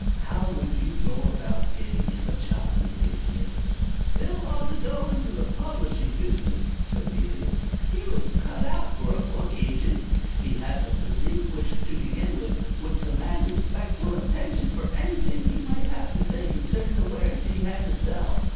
How would you go about getting him a job, Mr. Idiot?" "Bill ought to go into the publishing business," said the Idiot. "He was cut out for a book agent. He has a physique which, to begin with, would command respectful attention for anything he might have to say concerning the wares he had to sell.